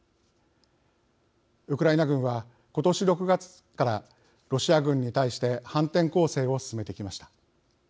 ウクライナ軍は、今年６月からロシア軍に対して反転攻勢を進めてきました。